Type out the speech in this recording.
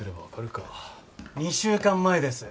２週間前です。